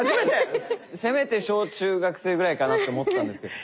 せめて小・中学生ぐらいかなと思ったんですけど。